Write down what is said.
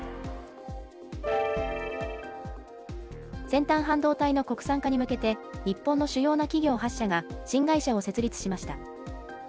先端半導体の国産化に向けて、日本の主要な企業８社が新会社を設立しました。